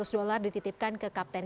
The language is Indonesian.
seratus dolar dititipkan ke kapten